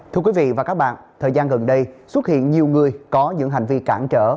thưa quý vị và các bạn thời gian gần đây xuất hiện nhiều người có những hành vi cản trở